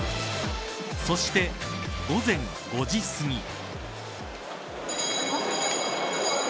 そして、午前５時すぎ。